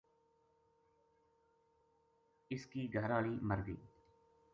اس کی گھر ہالی مر گئی